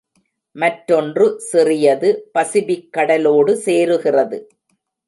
மற்றொன்று சிறியது பசிபிக்கடலோடு சேருகிறது.